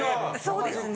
そうですね。